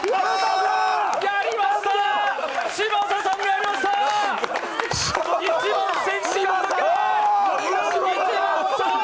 やりましたー！